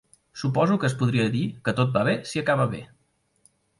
Suposo que es podria dir que tot va bé si acaba bé.